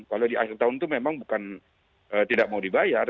kalau di akhir tahun itu memang bukan tidak mau dibayar